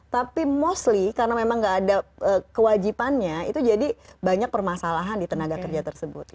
tapi mostly karena memang nggak ada kewajibannya itu jadi banyak permasalahan di tenaga kerja tersebut